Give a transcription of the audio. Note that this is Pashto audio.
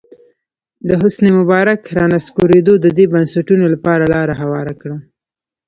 د حسن مبارک رانسکورېدو د دې بنسټونو لپاره لاره هواره کړه.